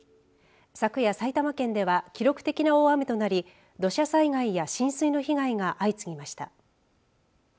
昨夜、埼玉県では記録的な大雨となり土砂災害や浸水の被害が相次ぎました。